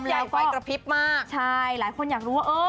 ใหญ่ไฟกระพริบมากใช่หลายคนอยากรู้ว่าเออ